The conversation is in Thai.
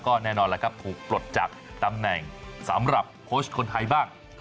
แน่นอนแล้วครับถูกปลดจากตำแหน่งสำหรับโค้ชคนไทยบ้าง